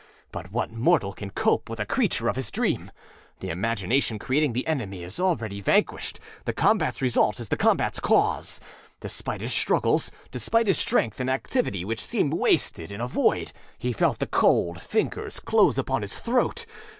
But what mortal can cope with a creature of his dream? The imagination creating the enemy is already vanquished; the combatâs result is the combatâs cause. Despite his strugglesâdespite his strength and activity, which seemed wasted in a void, he felt the cold fingers close upon his throat.